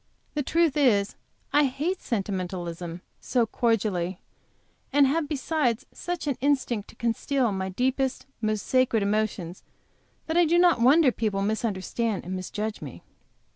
The truth is, I hate sentimentalism so cordially, and have besides such an instinct to conceal my deepest, most sacred emotions, that I do not wonder people misunderstand and misjudge me.